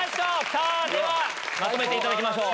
さぁまとめていただきましょう。